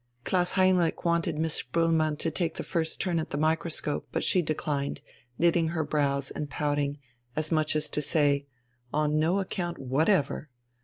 Klaus Heinrich wanted Miss Spoelmann to take the first turn at the microscope, but she declined, knitting her brows and pouting, as much as to say: "On no account whatever."